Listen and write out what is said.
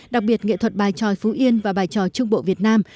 đặc biệt nghệ thuật bài tròi phú yên và bài tròi trung bộ việt nam